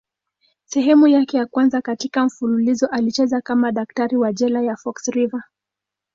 Sehemu yake ya kwanza katika mfululizo alicheza kama daktari wa jela ya Fox River.